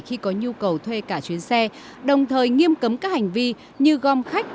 khi có nhu cầu thuê cả chuyến xe đồng thời nghiêm cấm các hành vi như gom khách